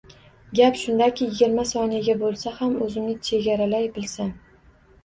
Gap shundaki, yigirma soniyaga boʻlsa ham oʻzimni chegaralay bilsam